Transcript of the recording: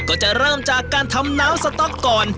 ก็จะเริ่มจากการทำน้ำสต๊อกก่อน